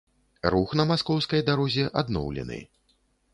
Рух на маскоўскай дарозе адноўлены.